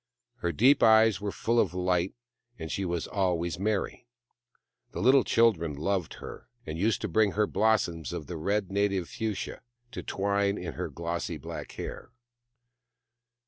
Her deep eyes were full of light, and she was always merry. The little children loved her, and used to bring her blossoms of the red native fuchsia, to twine in her glossy black hair.